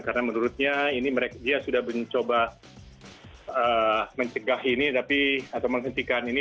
karena menurutnya dia sudah mencoba mencegah ini atau menghentikan ini